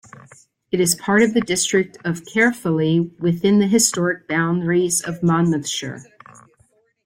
It is part of the district of Caerphilly within the historic boundaries of Monmouthshire.